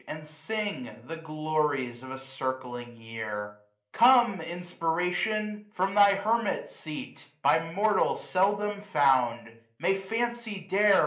And sing the glories of the circling year. Come, Inspiration ! from thy hermit seat, 15 By mortal seldom found : may Fancy dare.